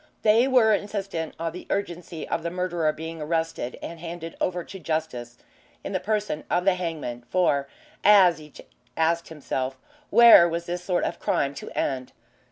They were insistent on the urgency of the murderer being arrested and handed over to Justice in the person of the hangman, for as each asked himself where was this sort of crime to end?